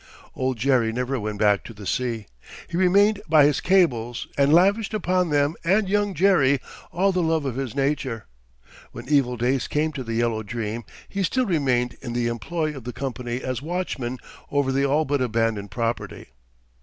Old Jerry never went back to the sea. He remained by his cables, and lavished upon them and Young Jerry all the love of his nature. When evil days came to the Yellow Dream, he still remained in the employ of the company as watchman over the all but abandoned property.